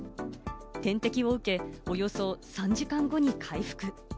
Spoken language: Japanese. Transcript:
点滴を受け、およそ３時間後に回復。